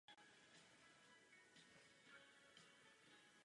Právě mi bylo řečeno, že tomu tak není.